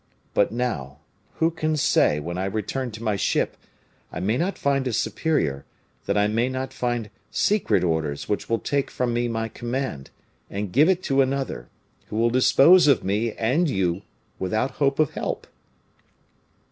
But now, who can say, when I return to my ship, I may not find a superior; that I may not find secret orders which will take from me my command, and give it to another, who will dispose of me and you without hope of help?"